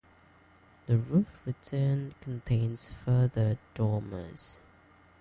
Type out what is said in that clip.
The roof return contains further dormers.